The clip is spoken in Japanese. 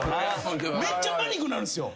めっちゃパニックなるんすよ。